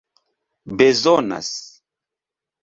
bezonas